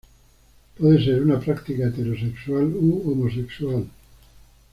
Puede ser una práctica heterosexual u homosexual.